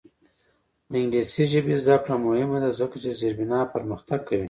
د انګلیسي ژبې زده کړه مهمه ده ځکه چې زیربنا پرمختګ کوي.